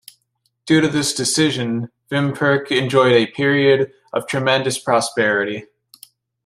Due to this decision, Vimperk enjoyed a period of tremendous prosperity.